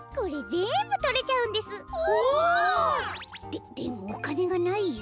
ででもおかねがないよ。